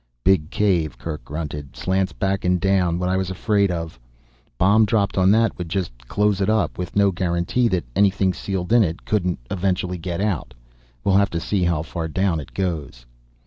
"Big cave," Kerk grunted. "Slants back and down. What I was afraid of. Bomb dropped on that would just close it up. With no guarantee that anything sealed in it, couldn't eventually get out. We'll have to see how far down it goes."